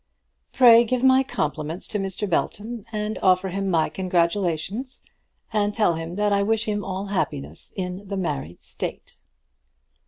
Pray give my compliments to Mr. Belton, and offer him my congratulations, and tell him that I wish him all happiness in the married state.